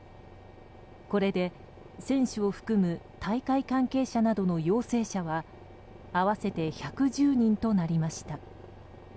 これで選手を含む大会組織委員会などの陽性者は合わせて１１０人となりました。